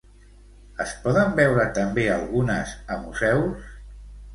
Es poden veure també algunes a museus?